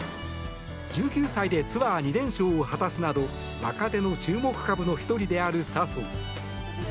１９歳でツアー２連勝を果たすなど若手の注目株の１人である笹生。